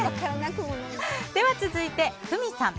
では続いての方。